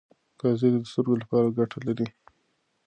ګازرې د سترګو لپاره ګټه لري.